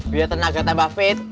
biar tenaga tambah fit